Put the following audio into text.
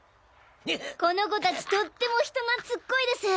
この子達とっても人なつっこいです！